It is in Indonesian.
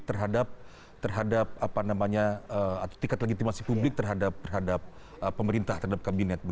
terhadap tingkat legitimasi publik terhadap pemerintah terhadap kabinet